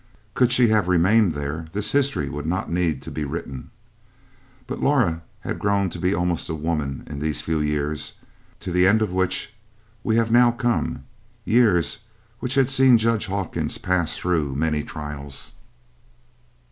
Could she have remained there, this history would not need to be written. But Laura had grown to be almost a woman in these few years, to the end of which we have now come years which had seen Judge Hawkins pass through so many trials.